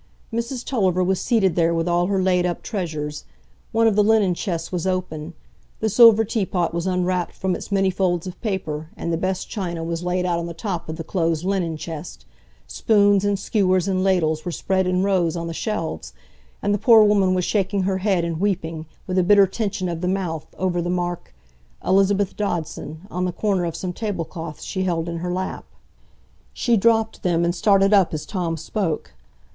Mrs Tulliver was seated there with all her laid up treasures. One of the linen chests was open; the silver teapot was unwrapped from its many folds of paper, and the best china was laid out on the top of the closed linen chest; spoons and skewers and ladles were spread in rows on the shelves; and the poor woman was shaking her head and weeping, with a bitter tension of the mouth, over the mark, "Elizabeth Dodson," on the corner of some tablecloths she held in her lap. She dropped them, and started up as Tom spoke.